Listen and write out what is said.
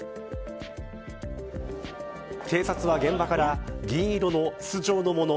警察は現場から銀色の筒状のもの